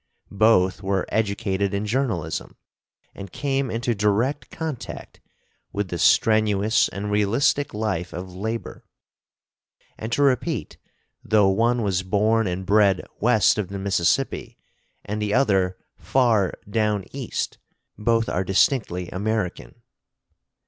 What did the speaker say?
Both were educated in journalism, and came into direct contact with the strenuous and realistic life of labor. And to repeat, though one was born and bred west of the Mississippi and the other far "down east," both are distinctly American.